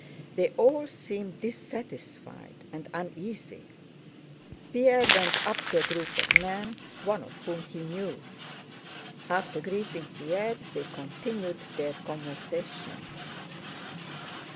They all seemed dissatisfied and uneasy. Pierre went up to a group of men, one of whom he knew. After greeting Pierre they continued their conversation.